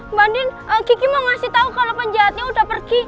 mbak andin kiki mau ngasih tahu kalau penjahatnya udah pergi